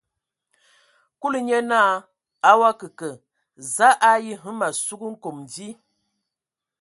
Kúlu nye naa: A o akǝ kə, za a ayi hm ma sug nkom vi?